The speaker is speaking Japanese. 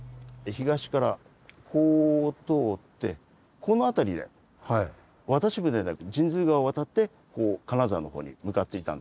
東からこう通ってこの辺りで渡し船で神通川を渡ってこう金沢のほうに向かっていたんです。